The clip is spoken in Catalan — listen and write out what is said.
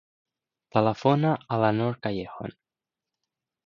Telefona a la Noor Callejon.